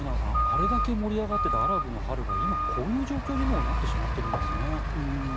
あれだけ盛り上がっていたアラブの春が今、こういう状況にもうなってしまってるんですね。